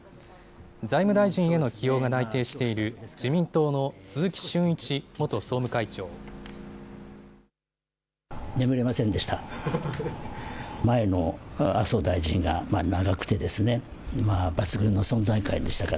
財務大臣への起用が内定している自民党の鈴木俊一元総務会長。